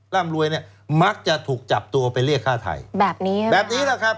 ร่ำรวยเนี่ยมักจะถูกจับตัวไปเรียกฆ่าไทยแบบนี้นะครับ